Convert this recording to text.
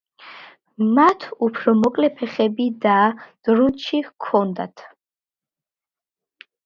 მათ უფრო მოკლე ფეხები და დრუნჩი ჰქონდათ.